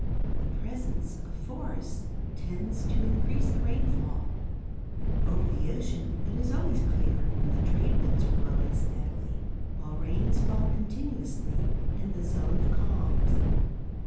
The presence of forests tends to increase the rainfall. Over the ocean it is always clear when the trade winds are blowing steadily, while rains fall continuously in the zone of calms.